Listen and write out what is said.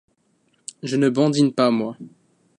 Je ne badine pas, moi !